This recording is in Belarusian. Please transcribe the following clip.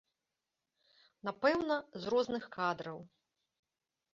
Напэўна, з розных кадраў.